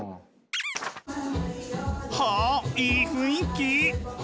はあいい雰囲気。